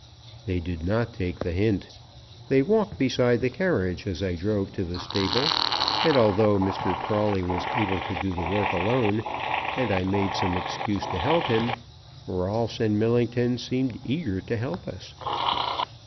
They did not take the hint. They walked beside the carriage as I drove to the stable, and although Mr. Prawley was able to do the work alone, and I made some excuse to help him, Rolfs and Millington seemed eager to help us.